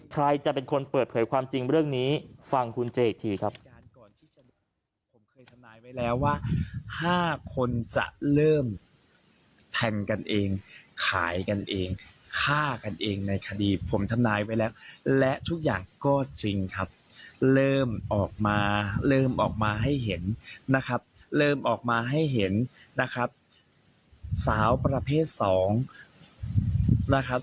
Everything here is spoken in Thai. ใครจะเป็นคนเปิดเผยความจริงเรื่องนี้ฟังคุณเจอีกทีครับ